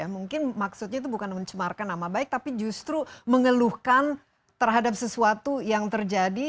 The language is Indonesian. mungkin maksudnya itu bukan mencemarkan nama baik tapi justru mengeluhkan terhadap sesuatu yang terjadi